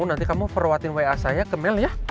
nanti kamu perwatin wa saya ke mel ya